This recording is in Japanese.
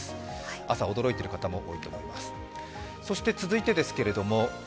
朝驚いている方も多いと思います。